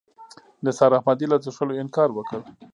نثار احمدي له څښلو انکار وکړ.